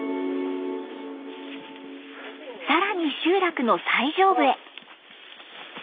更に集落の最上部へ。